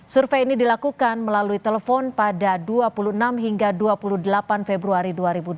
survei ini dilakukan melalui telepon pada dua puluh enam hingga dua puluh delapan februari dua ribu dua puluh